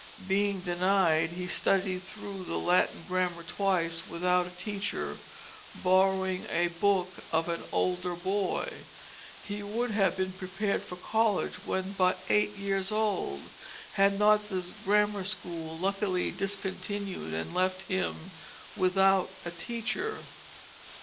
Being denied he studied through the Latin grammar twice without a teacher, borrowing a book of an older boy. He would have been prepared for college when but eight years old, had not the grammar school luckily discontinued and left him without a teacher.